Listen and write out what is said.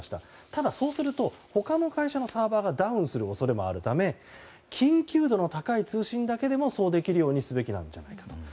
ただ、そうすると他の会社のサーバーがダウンする恐れもあるため緊急度の高い通信だけでもそうできるようにすべきなんじゃないかと。